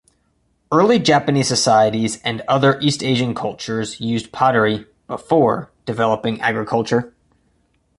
Early Japanese societies and other East Asian cultures used pottery "before" developing agriculture.